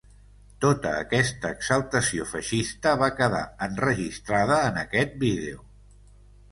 Tota aquesta exaltació feixista va quedar enregistrada en aquest vídeo.